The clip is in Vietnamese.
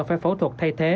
phải phẫu thuật thay thế